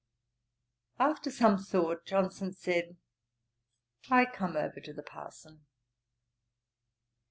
After some thought, Johnson said, 'I come over to the parson.'